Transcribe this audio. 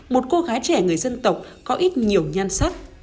một cô gái trẻ người dân tộc có ít nhiều nhan sắc